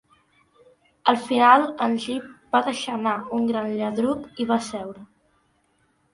Al final, en Jip va deixar anar un gran lladruc i va seure.